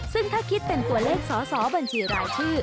ซึ่งถ้าคิดเป็นตัวเลขสอสอบัญชีรายชื่อ